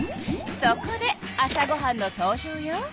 そこで朝ごはんの登場よ。